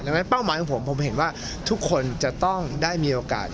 ดังนั้นเป้าหมายของผมผมเห็นว่าทุกคนจะต้องได้มีโอกาส